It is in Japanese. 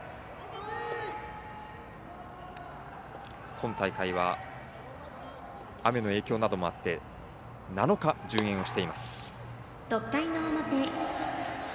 今大会は、雨の影響などもあって７日、順延しています。